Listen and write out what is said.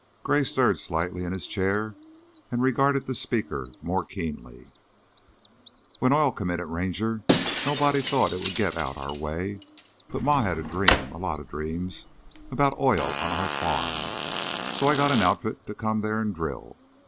Gray stirred slightly in his chair and regarded the speaker more keenly. "When oil come in at Ranger, nobody thought it would get out our way, but Ma had a dream a lot of dreams about oil on our farm, so I got an outfit to come there an' drill.